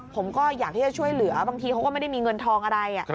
ผมก็อยากที่จะช่วยเหลือบางทีเขาก็ไม่ได้มีเงินทองอะไร